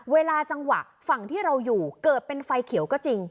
เวลาจังหวะฝั่งที่เราอยู่เกิดเป็นไฟเขียวก็จริง